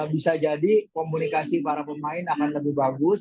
bisa jadi komunikasi para pemain akan lebih bagus